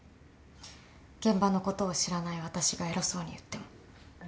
現場のことを知らない私が偉そうに言っても。